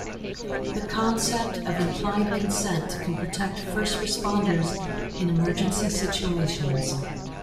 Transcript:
The concept of implied consent can protect first responders in emergency situations.